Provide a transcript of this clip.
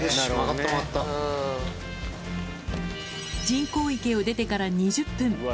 人工池を出てから２０分。